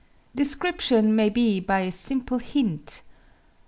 _Description may be by simple hint.